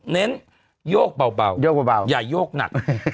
เน้นโยกเบาอย่าโยกหนัก